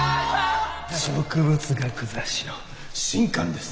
植物学雑誌の新刊です。